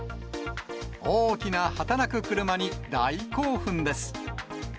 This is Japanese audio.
大きな働く車に大興奮です。